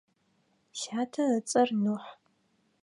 Сятэ ыцӏэр Нухь.